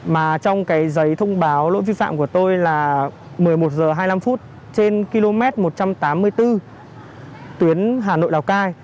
mà trong cái giấy thông báo lỗi vi phạm của tôi là một mươi một h hai mươi năm phút trên km một trăm tám mươi bốn tuyến hà nội lào cai